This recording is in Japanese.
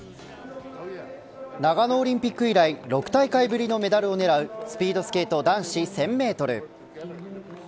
長野オリンピック以来６大会ぶりのメダルを狙うスピードスケート男子１０００メートル。